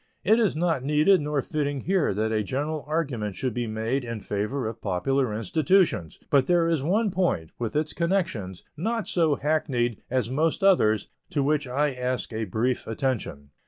It is not needed nor fitting here that a general argument should be made in favor of popular institutions, but there is one point, with its connections, not so hackneyed as most others, to which I ask a brief attention.